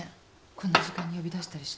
こんな時間に呼び出したりして。